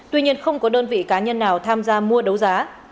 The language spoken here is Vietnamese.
tuy nhiên không có đơn vị cá nhân nào tham gia mua đấu giá